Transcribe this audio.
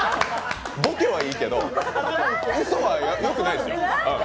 ボケはいいけど、うそはよくないですよ。